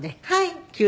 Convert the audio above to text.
はい。